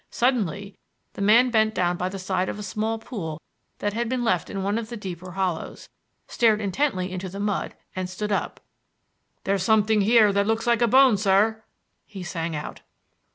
Suddenly the man bent down by the side of a small pool that had been left in one of the deeper hollows, stared intently into the mud, and stood up. "There's something here that looks like a bone, sir," he sang out.